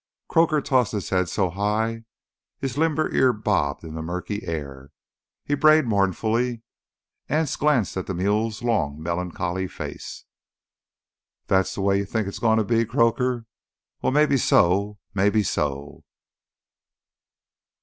Croaker tossed his head so high his limber ear bobbed in the murky air. He brayed mournfully. Anse glanced at the mule's long melancholy face. "That's th' way you think it's gonna be, Croaker? Well, maybe so ... maybe so."